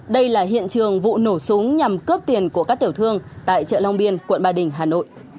đây là hiện trường vụ nổ súng nhằm cướp tiền của các tiểu thương tại chợ long biên quận ba đình hà nội